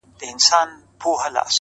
دا ستا ښكلا ته شعر ليكم~